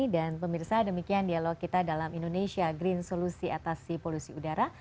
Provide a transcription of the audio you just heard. dan pemirsa demikian dialog kita dalam indonesia green solusi atasi polusi udara